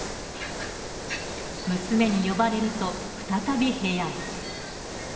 娘に呼ばれると、再び部屋へ。